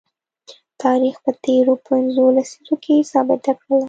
تاریخ په تیرو پنځو لسیزو کې ثابته کړله